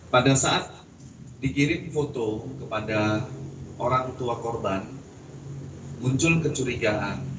pada saat dikirim foto kepada orang tua korban muncul kecurigaan